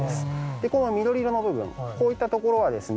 でこの緑色の部分こういった所はですね